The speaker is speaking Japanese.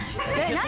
何？